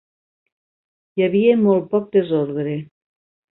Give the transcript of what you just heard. Hi havia molt poc desordre.